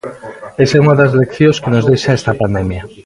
Esa é unha das leccións que nos deixa esta pandemia.